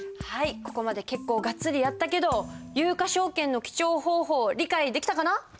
ここまで結構がっつりやったけど有価証券の記帳方法理解できたかな？